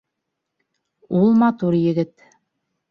Ул матур егет.